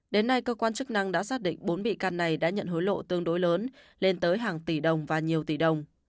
đến nay cơ quan chức năng đã xác định bốn bị can này đã nhận hối lộ tương đối lớn lên tới hàng tỷ đồng và nhiều tỷ đồng